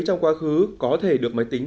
trong quá khứ có thể được máy tính